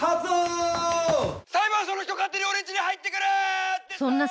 「裁判所の人勝手に俺んちに入ってくる」でした！